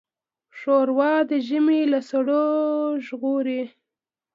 ښوروا د ژمي له سړو ژغوري.